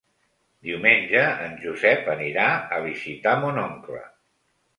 Diumenge en Josep anirà a visitar mon oncle.